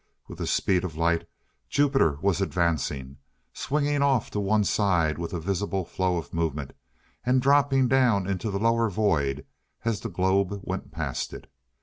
With the speed of light Jupiter was advancing, swinging off to one side with a visible flow of movement, and dropping down into the lower void as the globe went past it.